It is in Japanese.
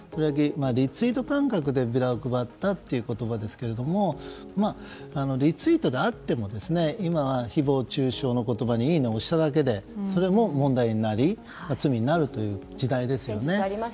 リツイート感覚でビラを配ったという言葉ですけどリツイートであっても今は、誹謗中傷の言葉にいいねを押しただけでそれも問題になり罪になるという時代ですよね。